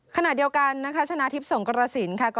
ขณะเดียวกันนะคะชนะทิพย์สงกรสินค่ะ